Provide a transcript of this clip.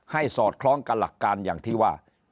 สอดคล้องกับหลักการอย่างที่ว่า